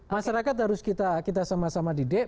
masyarakat harus kita sama sama didik